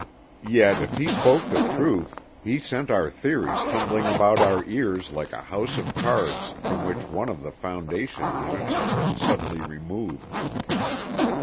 Yet if he spoke the truth, he sent our theories tumbling about our ears like a house of cards from which one of the foundation units had been suddenly removed.